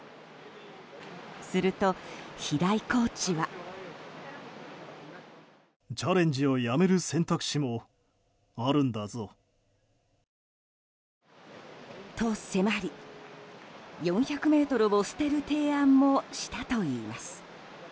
すると、平井コーチは。と、迫り４００ｍを捨てる提案もしたといいます。